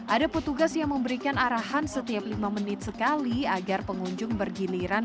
ada petugas yang memberikan arahan setiap lima menit sekali agar pengunjung bergiliran